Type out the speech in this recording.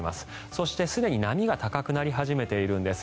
そして、すでに波が高くなり始めているんです。